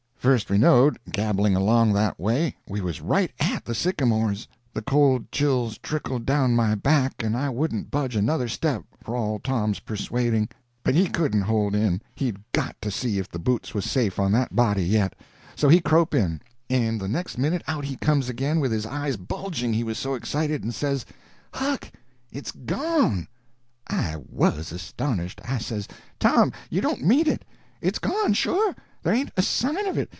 First we knowed, gabbling along that away, we was right at the sycamores. The cold chills trickled down my back and I wouldn't budge another step, for all Tom's persuading. But he couldn't hold in; he'd got to see if the boots was safe on that body yet. So he crope in—and the next minute out he come again with his eyes bulging he was so excited, and says: [Illustration: Huck, it's gone!] "Huck, it's gone!" I was astonished! I says: "Tom, you don't mean it." "It's gone, sure. There ain't a sign of it.